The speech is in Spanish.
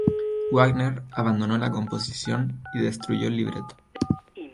Wagner abandonó la composición y destruyó el libreto.